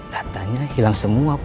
datanya hilang semua pak